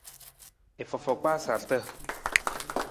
I fofo kpaa sarata.